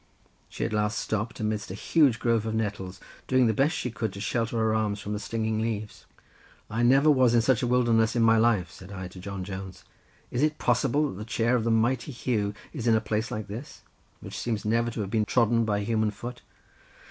She at last stopped amidst a huge grove of nettles, doing the best she could to shelter her arms from the stinging leaves. "I never was in such a wilderness in my life," said I to John Jones, "is it possible that the chair of the mighty Huw is in a place like this; which seems never to have been trodden by human foot.